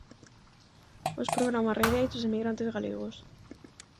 Os programas radiais dos emigrantes galegos.